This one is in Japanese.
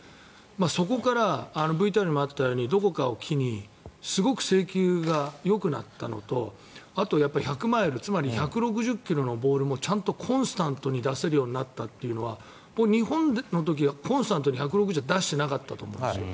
そこからＶＴＲにもあったようにどこかを機にすごく制球がよくなったのとあと、１００マイルつまり１６０ｋｍのボールもちゃんとコンスタントに出せるようになったというのは日本の時はコンスタントに１６０ｋｍは出してなかったと思うんですよ。